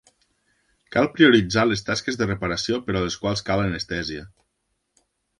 Cal prioritzar les tasques de reparació per a les quals cal anestèsia.